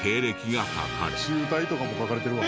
中退とかも書かれてるわ。